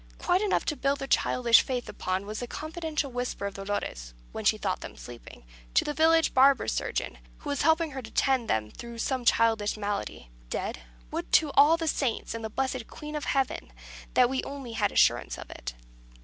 Quite enough to build their childish faith upon was a confidential whisper of Dolores when she thought them sleeping to the village barber surgeon, who was helping her to tend them through some childish malady: "Dead? Would to all the Saints, and the blessed Queen of Heaven, that we only had assurance of it!"